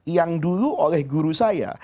yang dulu oleh guru saya